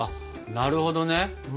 なるほどね。